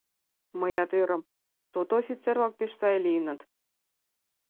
— Мыйят ӧрым: то-то, офицер-влак пеш сай лийыныт.